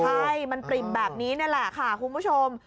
ใช่มันปริ่มแบบนี้นี่แหละค่ะคุณผู้ชม